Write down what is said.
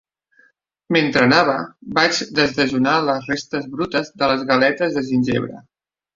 Mentre anava, vaig desdejunar les restes brutes de les galetes de gingebre.